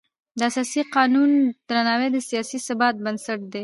د اساسي قانون درناوی د سیاسي ثبات بنسټ دی